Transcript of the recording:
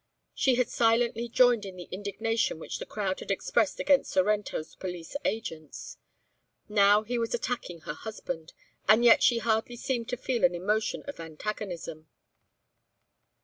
She had silently joined in the indignation which the crowd had expressed against Sorrento's police agents. Now he was attacking her husband; and yet she hardly seemed to feel an emotion of antagonism.